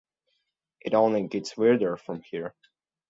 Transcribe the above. It only gets weirder from here.